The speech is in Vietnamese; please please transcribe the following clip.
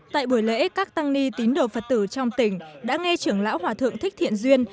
tại buổi lễ các tăng ni tín đồ phật tử trong tỉnh đã nghe trưởng lão hòa thượng thích thiện duyên